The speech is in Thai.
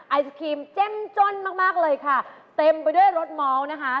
ไอศครีมเจ็มจ้นมากเลยค่ะเต็มไปด้วยรสม้องนะฮะ